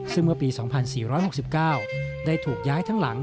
ซึ่งเมื่อปี๒๔๖๙ได้ถูกย้ายทั้งหลัง